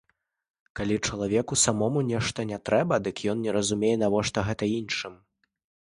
Калі чалавеку самому нешта не трэба, дык ён не разумее, навошта гэта іншым.